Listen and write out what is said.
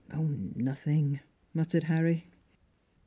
" Oh, nothing," muttered Harry.